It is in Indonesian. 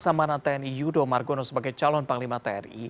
samana tni yudo margono sebagai calon panglima tni